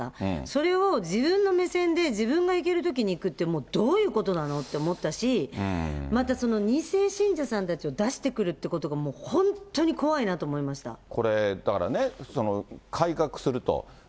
それを自分の目線で、自分が行けるときに行くって、もうどういうことなのって思ったし、またその２世信者さんたちを出してくるってことが、これ、だからね、改革すると。